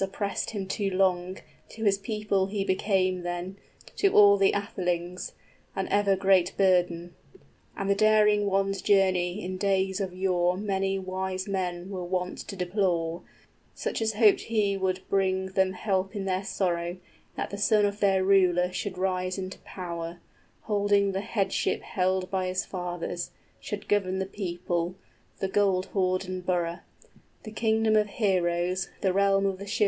} Oppressed him too long, to his people he became then, To all the athelings, an ever great burden; 70 And the daring one's journey in days of yore Many wise men were wont to deplore, Such as hoped he would bring them help in their sorrow, That the son of their ruler should rise into power, Holding the headship held by his fathers, 75 Should govern the people, the gold hoard and borough, The kingdom of heroes, the realm of the Scyldings.